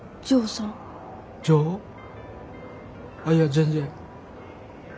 あいや全然。